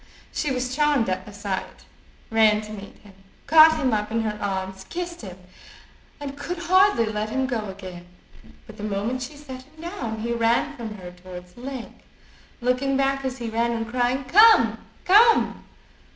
She was charmed at the sight, ran to meet him, caught him up in her arms, kissed him, and could hardly let him go again. But the moment she set him down he ran from her towards the lake, looking back as he ran, and crying "Come, come."